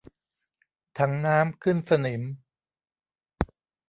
ถังน้ำขึ้นสนิม